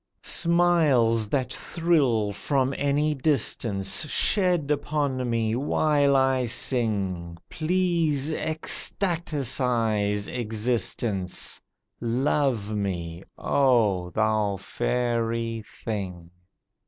"Smiles that thrill from any distance Shed upon me while I sing! Please ecstaticize existence, Love me, oh, thou fairy thing!"